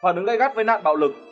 phản ứng gây gắt với nạn bạo lực